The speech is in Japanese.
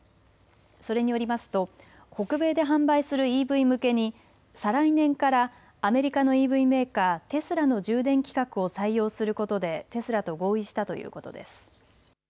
それによりますと北米で販売するＥＶ向けに再来年からアメリカのＥＶメーカー、テスラの充電規格を採用することでテスラと合意したということです。